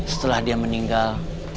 setelah dia meninggal